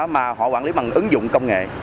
mà họ quản lý bằng ứng dụng công nghệ